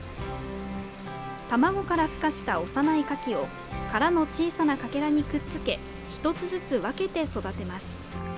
卵からふかした幼いカキを殻の小さなかけらにくっつけ１つずつ分けて育てます。